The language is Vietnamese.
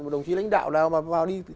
đồng chí lãnh đạo nào